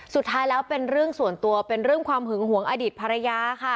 สุดท้ายแล้วเป็นเรื่องส่วนตัวเป็นเรื่องความหึงหวงอดีตภรรยาค่ะ